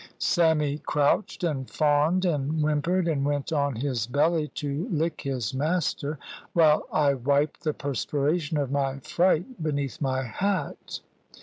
Sammy crouched, and fawned, and whimpered, and went on his belly to lick his master, while I wiped the perspiration of my fright beneath my hat.